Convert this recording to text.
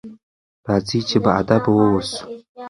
راځئ چې باادبه واوسو.